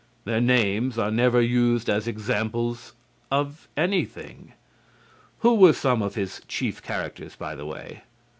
Their names are never used as examples of anything. Who were some of his chief characters, by the way?